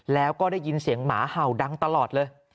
แล้วก็ได้ยินเสียงหมาเห่าดังตลอดเลย